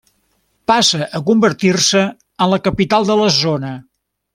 Passa a convertir-se en la capital de la zona.